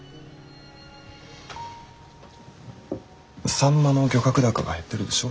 サンマの漁獲高が減ってるでしょ？